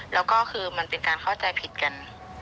แล้วก็คือมันเป็นการเข้าใจผิดกัน